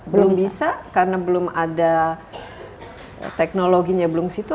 belum bisa karena belum ada teknologinya belum situ